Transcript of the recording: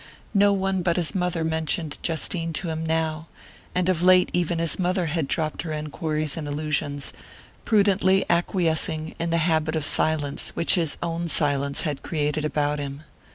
No one but his mother mentioned Justine to him now; and of late even his mother had dropped her enquiries and allusions, prudently acquiescing in the habit of silence which his own silence had created about him.